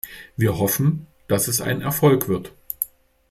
Wir hoffen, dass es ein Erfolg wird.